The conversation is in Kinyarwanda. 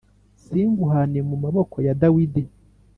singūhāne mu maboko ya Dawidi